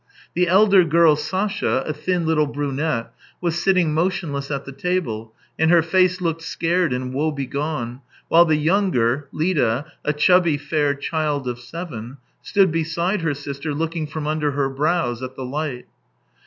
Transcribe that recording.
The elder girl, Sasha, a thin little brunette, was sitting motionless at the table, and her face looked scared and woebegone, while the younger. Lida, a chubby fair child of seven, stood beside her sister looking from under her brows at the light.